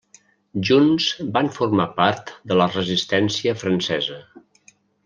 Junts van formar part de la Resistència francesa.